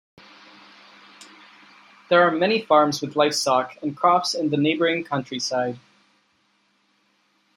There are many farms with livestock and crops in the neighboring countryside.